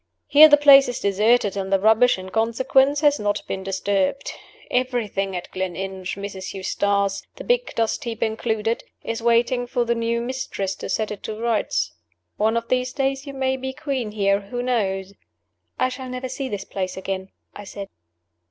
Here the place is deserted, and the rubbish in consequence has not been disturbed. Everything at Gleninch, Mrs. Eustace (the big dust heap included), is waiting for the new mistress to set it to rights. One of these days you may be queen here who knows?" "I shall never see this place again," I said.